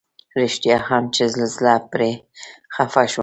رښتيا هم چې له زړه پرې خفه شوم.